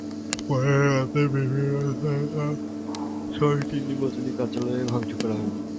পরে রাতে বিভিন্ন স্থানে তাঁর ছয়টি নির্বাচনী কার্যালয়ে ভাঙচুর করা হয়।